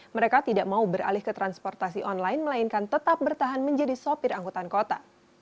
mereka tidak mau beralih ke transportasi online melainkan tetap bertahan menjadi sopir angkutan kota